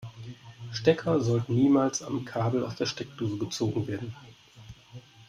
Stecker sollten niemals am Kabel aus der Steckdose gezogen werden.